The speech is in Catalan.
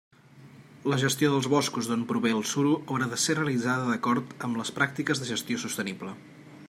La gestió dels boscos d'on prové el suro haurà de ser realitzada d'acord amb les pràctiques de gestió sostenible.